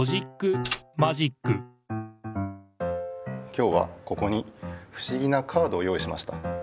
きょうはここにふしぎなカードを用いしました。